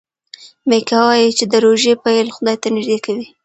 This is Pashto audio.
میکا وايي چې د روژې پیل خدای ته نژدې کوي.